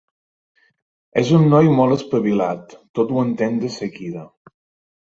És un noi molt espavilat: tot ho entén de seguida.